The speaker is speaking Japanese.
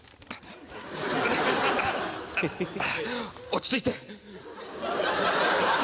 落ち着いて。